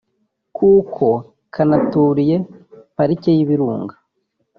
kuko kanaturiye parike y’ibirunga